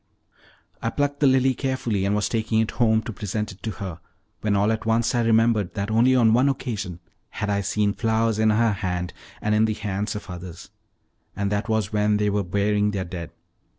I plucked the lily carefully, and was taking it home to present it to her, when all at once I remembered that only on one occasion had I seen flowers in her hand, and in the hands of the others, and that was when they were burying their dead.